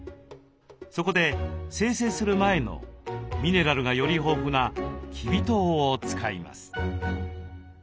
そこで精製する前のミネラルがより豊富なきび糖を使います。